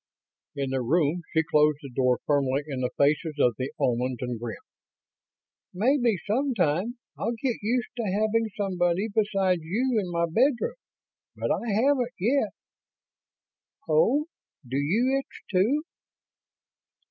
In the room, she closed the door firmly in the faces of the Omans and grinned. "Maybe, sometime, I'll get used to having somebody besides you in my bedroom, but I haven't, yet.... Oh, do you itch, too?"